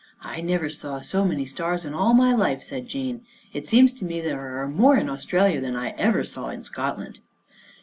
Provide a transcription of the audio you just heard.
" I never saw so many stars in all my life," said Jean. " It seems to me there are more in Australia than I ever saw in Scotland."